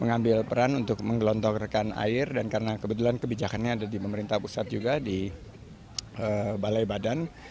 mengambil peran untuk menggelontorkan air dan karena kebetulan kebijakannya ada di pemerintah pusat juga di balai badan